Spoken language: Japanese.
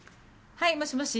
はいもしもし。